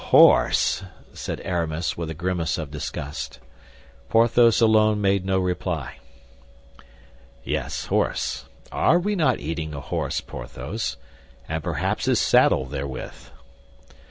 "Horse!" said Aramis, with a grimace of disgust. Porthos alone made no reply. "Yes, horse. Are we not eating a horse, Porthos? And perhaps his saddle, therewith."